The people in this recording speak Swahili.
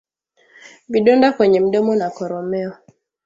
Vidonda kwenye mdomo na koromeo